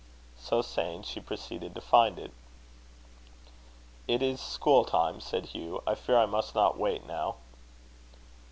So saying, she proceeded to find it. "It is school time," said Hugh "I fear I must not wait now."